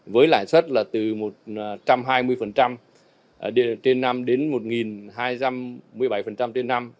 với lãi suất là từ một trăm hai mươi trên năm đến một hai trăm một mươi bảy trên năm